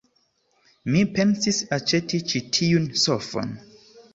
Mi pensis aĉeti ĉi tiun sofon.